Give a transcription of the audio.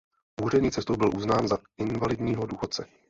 Úřední cestou byl uznán za invalidního důchodce.